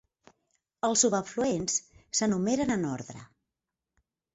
Els subafluents s'enumeren en ordre.